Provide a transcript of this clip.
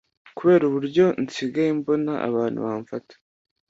kubera uburyo nsigaye mbona abantu bamfata”